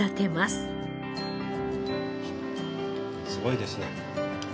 すごいですね。